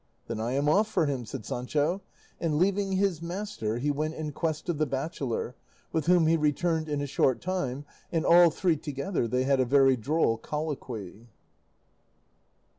"Then I am off for him," said Sancho; and leaving his master he went in quest of the bachelor, with whom he returned in a short time, and, all three together, they had a very droll colloquy.